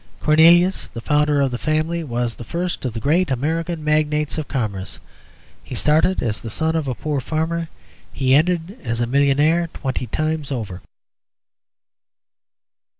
'Cornelius,' the founder of the family, was the first of the great American magnates of commerce. He started as the son of a poor farmer; he ended as a millionaire twenty times over."